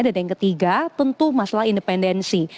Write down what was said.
dan yang ketiga tentu masalah independensi